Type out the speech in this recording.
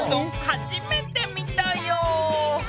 初めて見たよ。